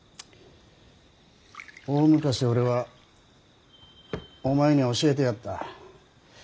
大昔俺はお前に教えてやった。